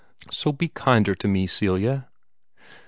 So be kinder to me, Celia!"